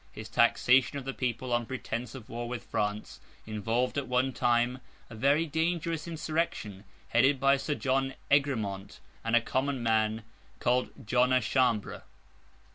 His taxation of the people, on pretence of war with France, involved, at one time, a very dangerous insurrection, headed by Sir John Egremont, and a common man called John à Chambre.